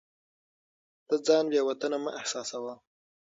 ته ځان بې وطنه مه احساسوه.